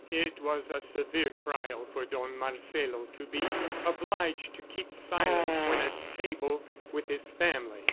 It was a severe trial for Don Marcelo to be obliged to keep silent when at table with his family.